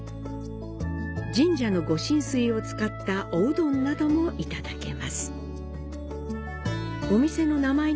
神社のご神水を使ったおうどんなどもいただけます。